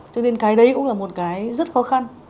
cho nên cái đấy cũng là một cái rất khó khăn